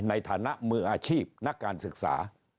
ในฐานะมืออาชีพนักการศึกษา